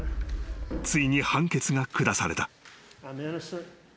ついに判決が下された］